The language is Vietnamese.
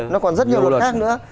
nó còn rất nhiều luật khác nữa